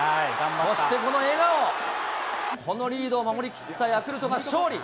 そしてこの笑顔、このリードを守り切ったヤクルトが勝利。